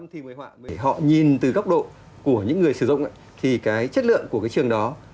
thì họ nhìn từ góc độ của những người sử dụng thì cái chất lượng của cái trường đó